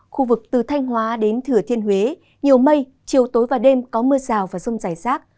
khu vực từ thanh hóa đến thừa thiên huế nhiều mây chiều tối và đêm có mưa rào và rông rải rác